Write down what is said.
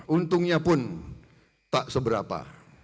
untungnya pun tak seberapa